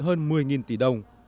hơn một mươi tỷ đồng